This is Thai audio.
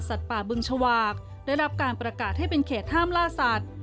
สัตว์ปาบึงฉวากได้รับปรากาศให้เป็นเพื่อแขทห้ามล่าสัตว์